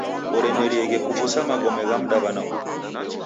Oremerieghe kuw'usa magome gha mdaw'ana umu!